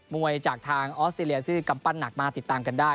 วยจากทางออสเตรเลียซึ่งกำปั้นหนักมากติดตามกันได้